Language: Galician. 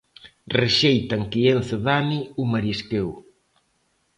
Rexeitan que Ence dane o marisqueo.